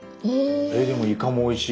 でもイカもおいしい。